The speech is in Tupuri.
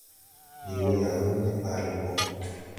Ndi wɔ Yayunde ɓaale bɔn.